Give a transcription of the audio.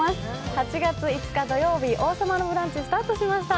８月５日土曜日、「王様のブランチ」スタートしました。